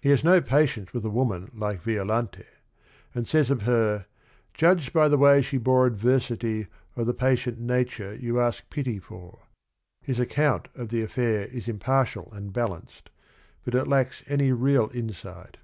He has no patience with a woman like Violante, and says of her ."Judge by the way she bore adversity O' the patient nature you ask pity for.'* His account of the affair is impartial and balanced, but it lacks any real insight.